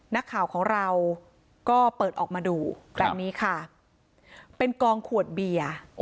นักข่าวของเราก็เปิดออกมาดูแบบนี้ค่ะเป็นกองขวดเบียร์